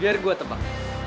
biar gue tebak